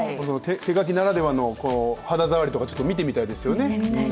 手書きならではの肌触りとか見てみたいですよね。